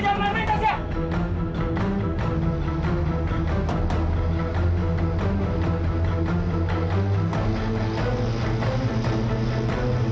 aku mau berbohong